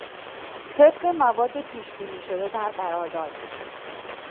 طبق مواد پیش بینی شده در قرارداد ...